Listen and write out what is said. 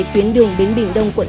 tuyến đường đến bình đông quận tám